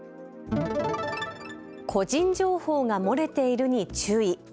個人情報が漏れているに注意。